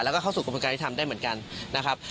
แล้วก็เข้าสู่กระบวนการที่ทำได้เหมือนกันนะครับ